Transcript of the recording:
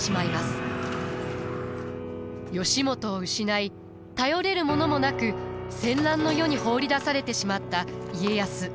義元を失い頼れるものもなく戦乱の世に放り出されてしまった家康。